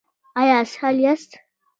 ایا اسهال یاست؟